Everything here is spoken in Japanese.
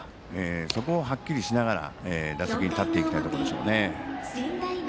そこをはっきりしながら打席に立っていきたいところでしょうね。